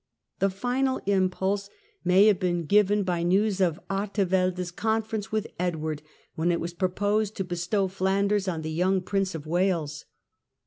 The final impulse may have been given 136 THE END OF THE MIDDLE AGE by news of Artevelde's conference with Edward, when it was proposed to bestow Flanders on the young Prince of Wales.